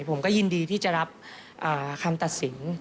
ผมก็ยินดีที่จะรับคำตัดสิน